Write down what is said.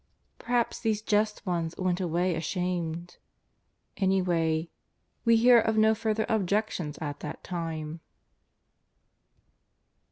Perhaps these just ones went away ashamed. Any way we hear of no further objections at that time.